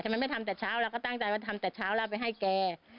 มันไม่ทำแต่เช้าเราก็ตั้งใจว่าทำแต่เช้าแล้วไปให้แก